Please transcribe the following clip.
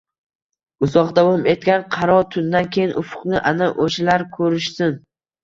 Uzoq davom etgan qaro tundan keyin, ufqni ana o`shalar ko`rishsin